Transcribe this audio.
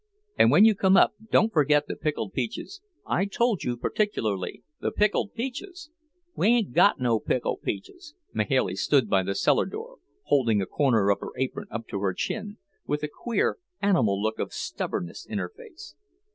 And when you come up, don't forget the pickled peaches. I told you particularly, the pickled peaches!" "We ain't got no pickled peaches." Mahailey stood by the cellar door, holding a corner of her apron up to her chin, with a queer, animal look of stubbornness in her face.